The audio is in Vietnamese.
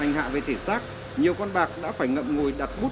anh hỏi em xin anh em xin anh anh hỏi